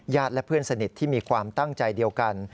และเพื่อนสนิทที่มีความตั้งใจเดียวกัน